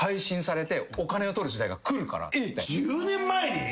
１０年前に！？